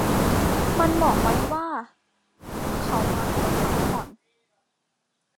มันบอกไว้ว่าเขามาเพื่อพักผ่อน